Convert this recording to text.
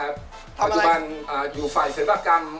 ปัจจุบันอยู่ฝ่ายศิลปกรรม